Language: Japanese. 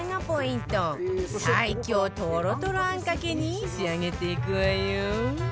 最強トロトロあんかけに仕上げていくわよ